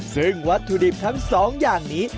ซึ่งวัตถุดิบทั้งสองอย่างนี้